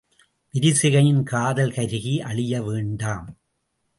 விரிசிகையின் காதல் கருகி அழிய வேண்டாம்.